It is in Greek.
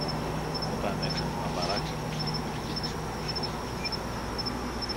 όταν έξαφνα παράξενος ήχος κίνησε την προσοχή τους.